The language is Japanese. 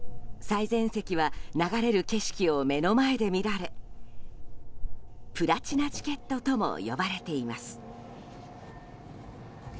最前席は流れる景色を目の前で見られプラチナチケットとも呼ばれています。